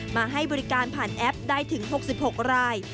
มาให้บริการผ่านแอปได้ถึง๖๖ราย